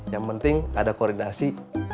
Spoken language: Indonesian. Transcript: yang penting ada koordinasi